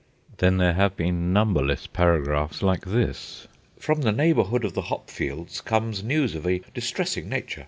Then there have been numberless paragraphs like this:— From the neighbourhood of the hop fields comes news of a distressing nature.